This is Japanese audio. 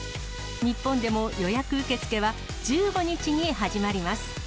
日本でも予約受け付けは１５日に始まります。